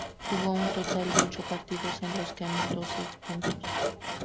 Jugó un total de ocho partidos en los que anotó seis puntos.